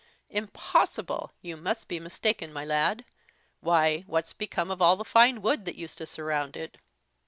"Impossible! you must be mistaken, my lad: why, what's become of all the fine wood that used to surround it?"